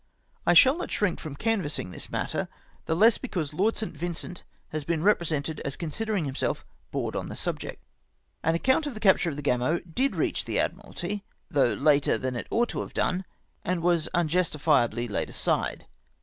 I shall not shrink from canvassing this matter, the less because Lord St. Vincent has been represented as considering hmiself bored on the subject. An account of the capture of the Gamo did reach the Admu alty, though later than it ous ht to have done, and was un justifiably laid aside.